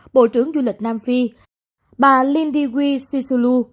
bộ trưởng du lịch nam phi bà lindywee sisulu